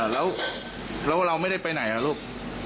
แล้วเราไม่ได้ไปไหนล่ะลูก